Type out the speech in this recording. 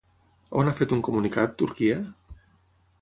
On ha fet un comunicat, Turquia?